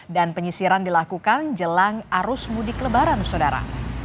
dan penyisiran dilakukan jelang arus mudik lebaran saudara